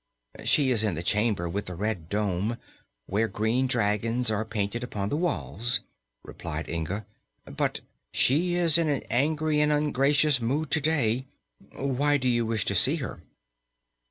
"She is in the chamber with the red dome, where green dragons are painted upon the walls," replied Inga; "but she is in an angry and ungracious mood to day. Why do you wish to see her?"